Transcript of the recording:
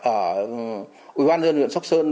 ở ủy ban nhân dân huyện sóc sơn